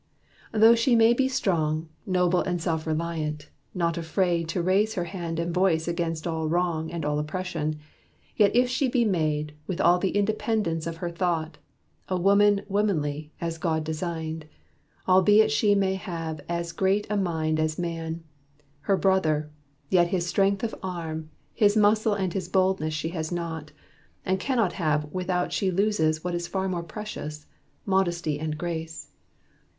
Though she may be strong, Noble and self reliant, not afraid To raise her hand and voice against all wrong And all oppression, yet if she be made, With all the independence of her thought, A woman womanly, as God designed, Albeit she may have as great a mind As man, her brother, yet his strength of arm His muscle and his boldness she has not, And cannot have without she loses what Is far more precious, modesty and grace.